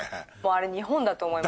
あれ日本だと思います。